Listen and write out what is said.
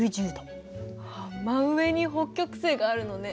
真上に北極星があるのね。